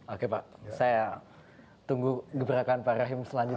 oke pak saya tunggu gebrakan pak rahim selanjutnya